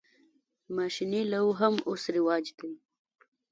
ماشیني لو هم اوس رواج دی.